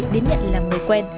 đến nhận là người quen